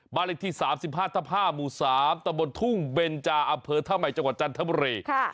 เลขที่๓๕ทับ๕หมู่๓ตะบนทุ่งเบนจาอำเภอท่าใหม่จังหวัดจันทบุรี